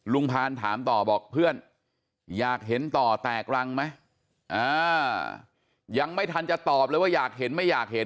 พานถามต่อบอกเพื่อนอยากเห็นต่อแตกรังไหมยังไม่ทันจะตอบเลยว่าอยากเห็นไม่อยากเห็น